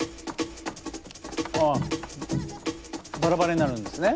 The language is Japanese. ああバラバラになるんですね。